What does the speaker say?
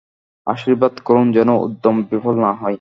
আশীর্বাদ করুন যেন উদ্যম বিফল না হয়।